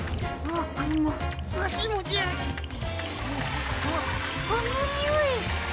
あっこのにおい。